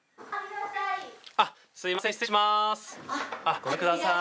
ごめんください。